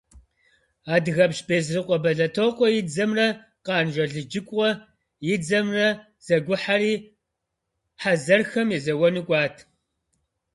Адыгэпщ Безрыкъуэ Бэлэтокъуэ и дзэмрэ Къанж Алыджыкъуэ и дзэмрэ зэгухьэри, хъэзэрхэм езэуэну кӏуат.